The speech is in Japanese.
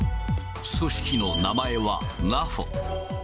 組織の名前はナフォ。